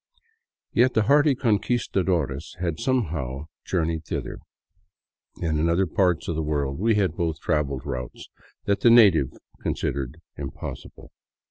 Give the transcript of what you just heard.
Yet the hardy Conquistadores had somehow journeyed thither, and in other parts of the world we had both traveled routes that the natives considered " impossible."